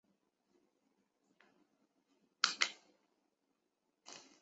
总部位于曼彻斯特的英国媒体城。